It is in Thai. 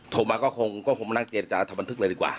โทรมาก็คงมานั่งเจรจาทำบันทึกเลยดีกว่า